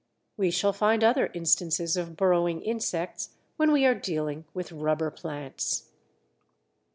We shall find other instances of burrowing insects when we are dealing with rubber plants.